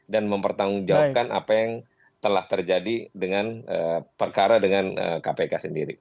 dan mempertanggungjawabkan apa yang telah terjadi dengan perkara dengan kpk sendiri